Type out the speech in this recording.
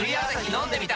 飲んでみた！